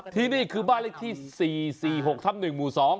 ที่นี่คือบ้านเลขที่๔๔๖ทับ๑หมู่๒